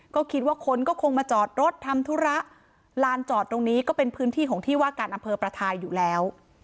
ก็คิดว่าคนก็คงมาจอดรถทำธุระลานจอดตรงนี้ก็เป็นพื้นที่ของที่ว่าการอำเภอประทายอยู่แล้ว